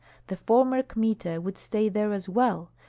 The former Kmita would stay there as well.